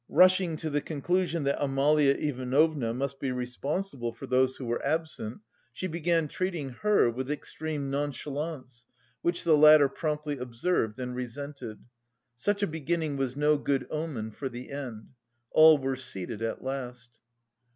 Rushing to the conclusion that Amalia Ivanovna must be responsible for those who were absent, she began treating her with extreme nonchalance, which the latter promptly observed and resented. Such a beginning was no good omen for the end. All were seated at last.